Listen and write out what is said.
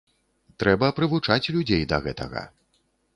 Трэба прывучаць людзей да гэтага!